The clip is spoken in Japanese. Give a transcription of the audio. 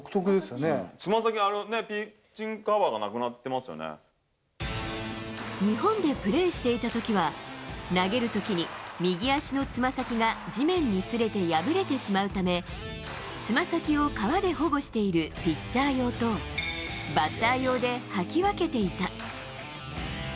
つま先のピッチングカバーが日本でプレーしていたときは、投げるときに右足のつま先が地面にすれて破れてしまうため、つま先を革で保護しているピッチャー用と、バッター用で履き分けていた。